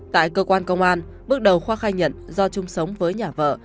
tại cơ quan công an bước đầu khoa khai nhận do chung sống với nhà vợ